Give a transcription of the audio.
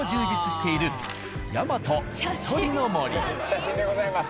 写真でございます。